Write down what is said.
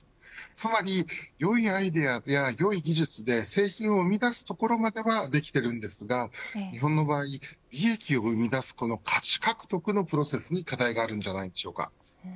つまりよいアイデアやよい技術で製品を生み出しているところまではできているのですが日本の場合、利益を生み出す価値獲得のプロセスに課題があるんじゃないでしょうか。